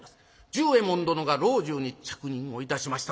重右衛門殿が老中に着任をいたしました。